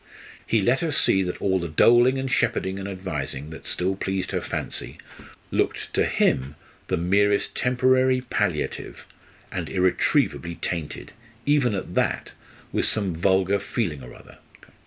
He let her see that all the doling and shepherding and advising that still pleased her fancy looked to him the merest temporary palliative, and irretrievably tainted, even at that, with some vulgar feeling or other.